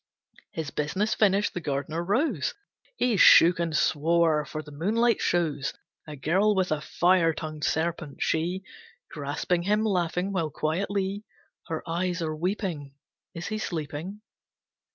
His business finished the gardener rose. He shook and swore, for the moonlight shows A girl with a fire tongued serpent, she Grasping him, laughing, while quietly Her eyes are weeping. Is he sleeping?